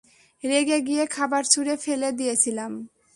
রেগে গিয়ে খাবার ছুঁড়ে ফেলে দিয়েছিলাম।